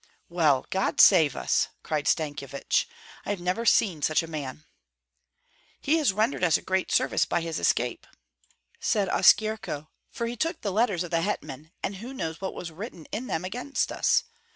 "Well, God save us!" cried Stankyevich, "I have never seen such a man." "He has rendered us a great service by his escape," said Oskyerko, "for he took the letters of the hetman, and who knows what was written in them against us?